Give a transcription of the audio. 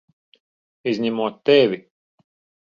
Izņemot tevi!